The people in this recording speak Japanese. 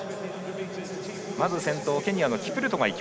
まず先頭はケニアのキプルト。